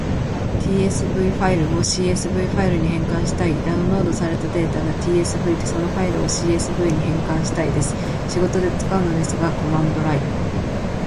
Q.tsv ファイルを csv ファイルに変換したいダウンロードされたデータが tsv で、そのファイルを csv に変換したいです。仕事で使うのですが、コマンドラインまたはバッチファイルで上記を行...